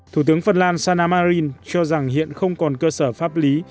thủ tướng phần lan sana marin cho rằng hiện không còn cơ sở pháp lý